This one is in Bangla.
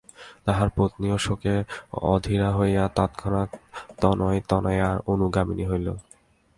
তাহার পত্নীও শোকে অধীরা হইয়া তৎক্ষণাৎ তনয় তনয়ার অনুগামিনী হইল।